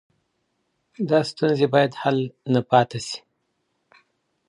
دا ستونزي باید حل نه پاته سي.